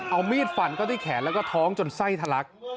เอามีดฟันเข้าที่แขนแล้วก็ท้องจนไส้ทะลัก